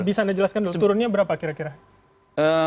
bisa anda jelaskan dulu turunnya berapa kira kira